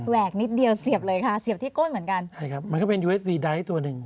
กนิดเดียวเสียบเลยค่ะเสียบที่ก้นเหมือนกันใช่ครับมันก็เป็นยูเอฟซีไดท์ตัวหนึ่ง